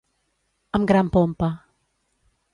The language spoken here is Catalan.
Amb gran pompa.